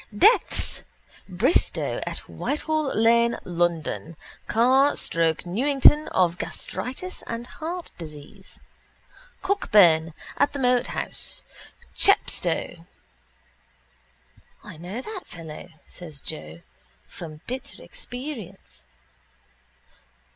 Deaths. Bristow, at Whitehall lane, London: Carr, Stoke Newington, of gastritis and heart disease: Cockburn, at the Moat house, Chepstow... —I know that fellow, says Joe, from bitter experience.